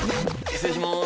失礼しまーす。